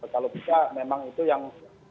kalau bisa memang itu yang